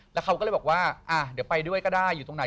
แล้วเขาก็เลยบอกว่าเดี๋ยวไปด้วยก็ได้อยู่ตรงไหน